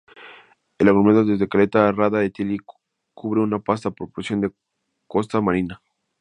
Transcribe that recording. El aglomerado desde Caleta a Rada Tilly cubre una vasta porción de costa marina.